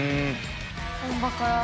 本場から。